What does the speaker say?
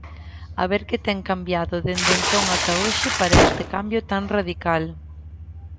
A ver que ten cambiado dende entón ata hoxe para este cambio tan radical.